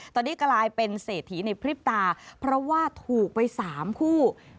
ตอนนี้กลายเป็นเศรษฐีในพริบตาเพราะว่าถูกไป๓คู่